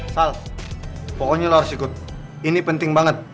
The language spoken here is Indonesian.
sals pokoknya lo harus ikut ini penting banget